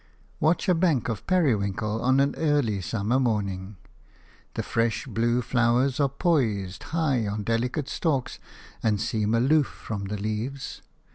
Watch a bank of periwinkle on an early summer morning. The fresh blue flowers are poised high on delicate stalks, and seem aloof from the leaves.